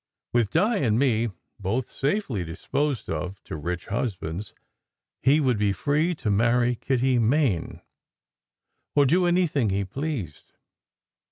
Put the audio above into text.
With Di and me both safely disposed of to rich husbands, he would be free to marry Kitty Main, or do anything he pleased.